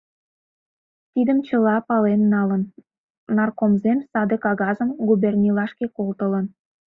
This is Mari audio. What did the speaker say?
Тидым чыла пален налын, наркомзем саде кагазым губернийлашке колтылын.